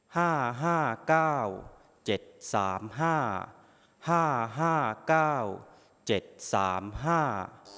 ห้าห้าเก้าเจ็ดสามห้าห้าเก้าเจ็ดสามห้า